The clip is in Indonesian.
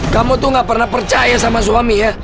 kamu tuh gak pernah percaya sama suami ya